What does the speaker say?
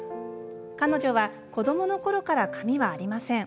彼女は子どものころから髪はありません。